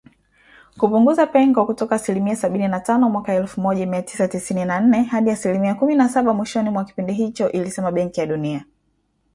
kupunguza pengo kutoka asilimia sabini na tano mwaka elfu moja mia tisa tisini na nne hadi asilimia kumi na saba mwishoni mwa kipindi hicho ilisema Benki ya Dunia